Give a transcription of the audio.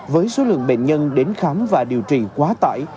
với số lượng bệnh nhân đến khám và điều trị quá tải